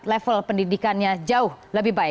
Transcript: kita lihat level pendidikannya jauh lebih baik